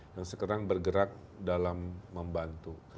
yang sekarang bergerak dalam membantu